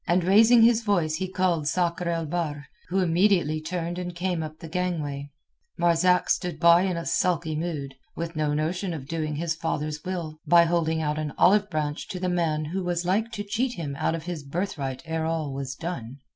And raising his voice he called Sakr el Bahr, who immediately turned and came up the gangway. Marzak stood by in a sulky mood, with no notion of doing his father's will by holding out an olive branch to the man who was like to cheat him of his birthright ere all was done.